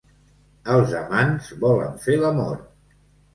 Els amants volen fer l'amor.